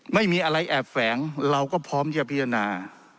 ไม่มีอะไรแอบแฝงเราก็พร้อมจะพิจารณา